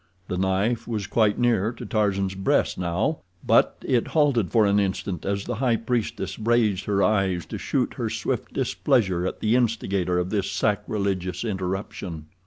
The knife was quite near to Tarzan's breast now, but it halted for an instant as the high priestess raised her eyes to shoot her swift displeasure at the instigator of this sacrilegious interruption.